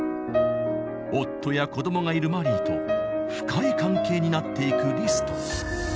夫やこどもがいるマリーと深い関係になっていくリスト。